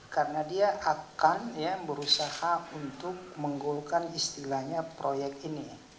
karena dia akan berusaha untuk menggolkan istilahnya proyek ini